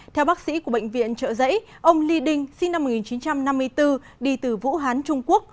theo bác sĩ của bệnh viện trợ giấy ông ly đinh sinh năm một nghìn chín trăm năm mươi bốn đi từ vũ hán trung quốc